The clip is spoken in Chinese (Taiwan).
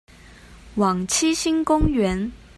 往七星公園